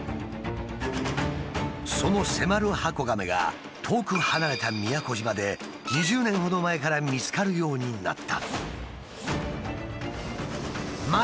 そのセマルハコガメが遠く離れた宮古島で２０年ほど前から見つかるようになった。